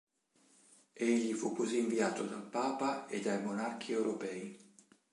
Egli fu così inviato dal papa e dai monarchi europei.